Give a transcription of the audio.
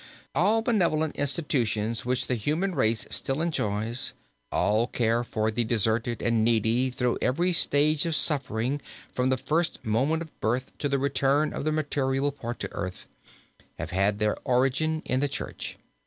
"All benevolent institutions which the human race still enjoys, all care for the deserted and needy through every stage of suffering from the first moment of birth to the return of the material part to earth, have had their origin in the church.